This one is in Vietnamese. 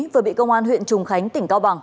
vừa bị công an huyện trùng khánh tỉnh cao bằng